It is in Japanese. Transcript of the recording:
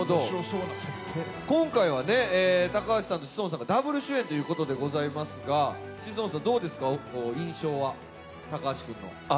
今回は高橋さんと志尊さんがダブル主演ということでございますが志尊さん、印象はどうですか、高橋君の。